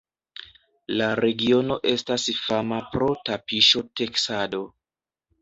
La regiono estas fama pro tapiŝo-teksado.